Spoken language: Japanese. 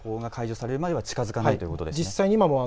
津波注意報が解除されるまでは近づかないということですね。